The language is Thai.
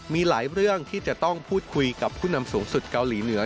มีหลายเรื่องที่จะต้องพูดคุยกับผู้นำสูงสุดเกาหลีเหนือ